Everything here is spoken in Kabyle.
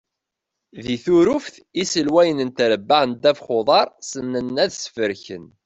Di Turuft, iselwayen n trebbaɛ n ddabex n uḍar ssnen ad sfreken.